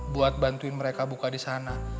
buat bantuin mereka buka di sana